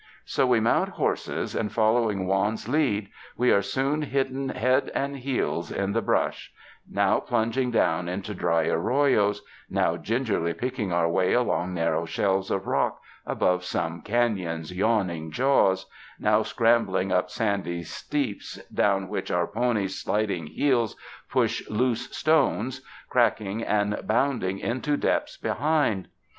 So we mount horses, and following Juan's lead we are soon hidden head and heels in the brush, now plunging down into dry arroyos, now gingerly picking our way along nar row shelves of rock above some canon's yawning jaws, now scrambling up sandy steeps down which our ponies' sliding heels push loose stones, cracking and bounding into depths behind.